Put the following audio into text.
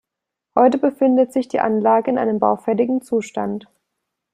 Heute befindet sich die Anlage in einem baufälligen Zustand.